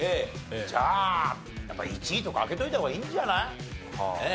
じゃあやっぱり１位とか開けといた方がいいんじゃない？ねえ。